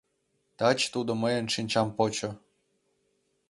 Таче тудо мыйын шинчам почо.